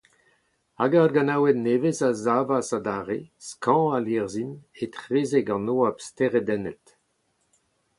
Hag ar ganaouenn nevez a savas adarre, skañv ha lirzhin, etrezek an oabl steredennet.